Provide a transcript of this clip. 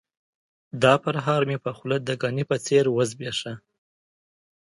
دا پرهار مې په خوله د ګني په څېر وزبیښ.